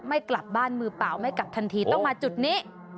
ไม่กลับบ้านมือเปล่าไม่กลับทันทีต้องมาจุดนี้